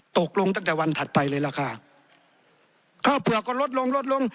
ตกลงตั้งแต่วันถัดไปเลยราคาข้าวเปลือกก็ลดลงลดลง